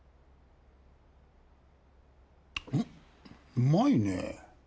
うまいねぇ。